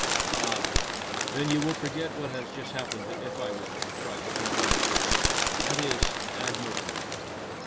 "Ah! Then you will forget what has just happened, if I will?" cried the Frenchman, eagerly. "That is admir r r rable!